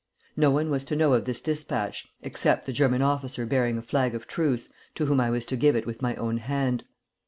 No one was to know of this despatch except the German officer bearing a flag of truce, to whom I was to give it with my own hand.